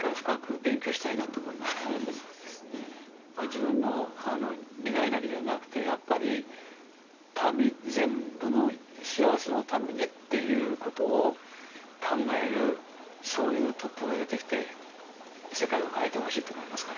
自分の利害だけじゃなくてやっぱり民全部の幸せのためにっていうことを考えるそういうトップが出てきて世界を変えてほしいと思いますから。